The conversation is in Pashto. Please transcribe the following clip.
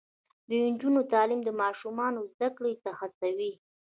د نجونو تعلیم د ماشومانو زدکړې ته هڅوي.